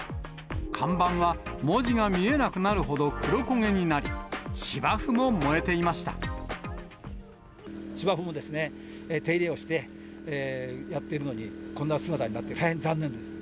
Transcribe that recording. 看板は文字が見えなくなるほど黒焦げになり、芝生もですね、手入れをしてやっているのに、こんな姿になって、大変残念です。